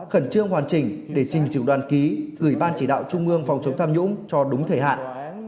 khẩn trương hoàn chỉnh để trình trưởng đoàn ký gửi ban chỉ đạo trung ương phòng chống tham nhũng cho đúng thời hạn